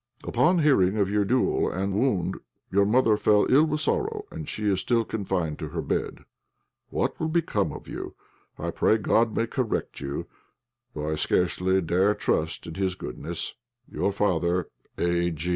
"Upon hearing of your duel and wound your mother fell ill with sorrow, and she is still confined to her bed. "What will become of you? I pray God may correct you, though I scarcely dare trust in His goodness. "Your father, "A.